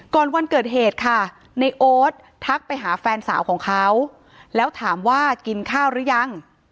วันเกิดเหตุค่ะในโอ๊ตทักไปหาแฟนสาวของเขาแล้วถามว่ากินข้าวหรือยัง